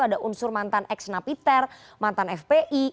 ada unsur mantan ex napiter mantan fpi